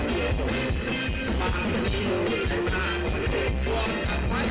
ยิ้มอาร์ตา